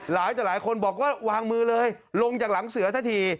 หลายแต่หลายคนบอกว่าวางมือเลยลงจากหลังเสือซะที